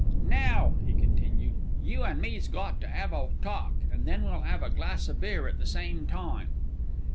"Now," he continued, "you and me's got to 'ave a talk, an' we'll 'ave a glass of beer at the same time."